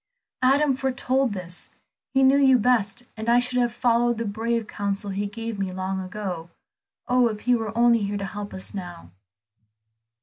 "Adam foretold this. He knew you best, and I should have followed the brave counsel he gave me long ago. Oh, if he were only here to help us now!"